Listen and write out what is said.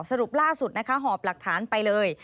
สรุปล่าสุดนะคะหอบหลักฐานไปเลย